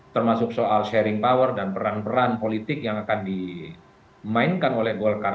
termasuk soal sharing power dan peran peran politik yang akan dimainkan oleh golkar